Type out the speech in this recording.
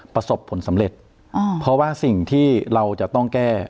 ประสบผลสำเร็จเพราะว่าสิ่งที่เราจะต้องแก้